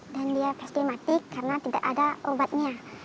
dan dia pasti mati karena tidak ada obatnya